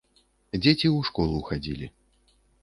Дзеці ў школу хадзілі.